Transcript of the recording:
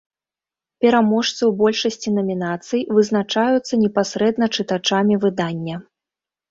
Пераможцы ў большасці намінацый вызначаюцца непасрэдна чытачамі выдання.